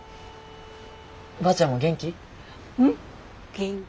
ばあちゃんも元気？